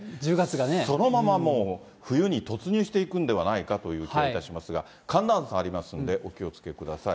そのままもう、冬に突入していくんではないかという気がいたしますが、寒暖差ありますんで、お気をつけください。